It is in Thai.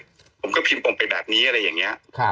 ผมก็พิมพ์ผมไปแบบนี้อะไรอย่างนี้